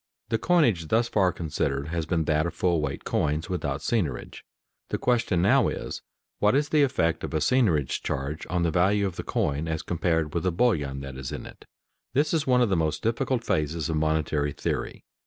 _ The coinage thus far considered has been that of full weight coins without seigniorage. The question now is, What is the effect of a seigniorage charge on the value of the coin as compared with the bullion that is in it? This is one of the most difficult phases of monetary theory.